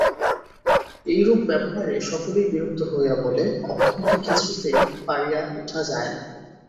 এইরূপ ব্যবহারে সকলেই বিরক্ত হইয়া বলে, অক্ষয়কে কিছুতেই পারিয়া উঠা যায় না।